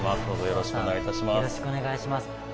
よろしくお願いします。